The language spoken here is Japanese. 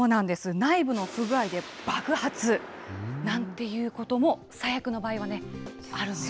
内部の不具合で爆発、なんていうことも、最悪の場合はあるんです。